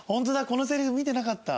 このせりふ見てなかった。